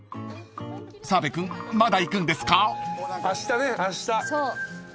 ［澤部君まだいくんですか？］